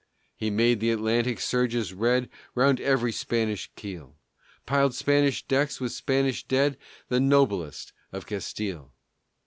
He made th' Atlantic surges red Round every Spanish keel; Piled Spanish decks with Spanish dead, The noblest of Castile.